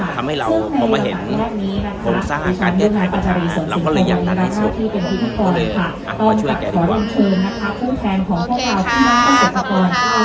ทำให้เราพอมาเห็นโปรสาหการเจ็ดหายประธานเราก็เลยอยากทำให้สุดก็เลยอ่ะมาช่วยแกดีกว่าโอเคค่ะขอบคุณค่ะ